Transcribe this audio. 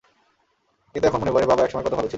কিন্তু এখন মনে পড়ে বাবা একসময় কত ভালো ছিল।